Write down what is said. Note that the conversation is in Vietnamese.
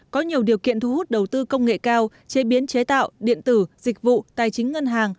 có nhiều điều kiện thu hút đầu tư công nghệ cao chế biến chế tạo điện tử dịch vụ tài chính ngân hàng